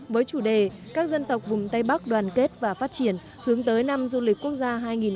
với chủ đề các dân tộc vùng tây bắc đoàn kết và phát triển hướng tới năm du lịch quốc gia hai nghìn hai mươi bốn